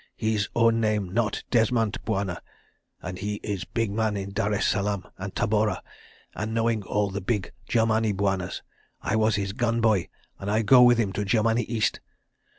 His own name not Desmont Bwana, and he is big man in Dar es Salaam and Tabora, and knowing all the big Germani bwanas. I was his gun boy and I go with him to Germani East.